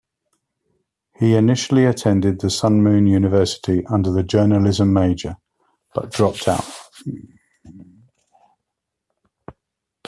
He initially attended the Sun Moon University, under the journalism major but dropped out.